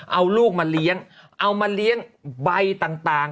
เอาลูกมาเลี้ยงเอามาเลี้ยงใบต่าง